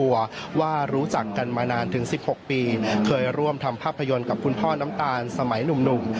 ว่ารู้จักกันมานานถึง๑๖ปีเคยร่วมทำภาพยนตร์กับคุณพ่อน้ำตาลสมัยหนุ่ม